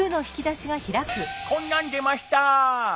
こんなんでました。